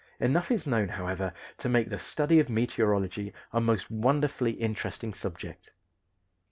Enough is known, however, to make the study of meteorology a most wonderfully interesting subject.